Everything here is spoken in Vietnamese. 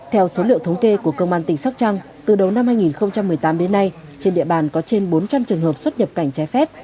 theo số liệu thống kê của công an tỉnh sóc trăng từ đầu năm hai nghìn một mươi tám đến nay trên địa bàn có trên bốn trăm linh trường hợp xuất nhập cảnh trái phép